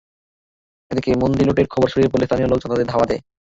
এদিকে মন্দির লুটের খবর ছড়িয়ে পড়লে স্থানীয় লোকজনও তাদের ধাওয়া দেয়।